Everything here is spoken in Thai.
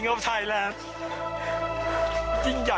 สวัสดีครับทุกคน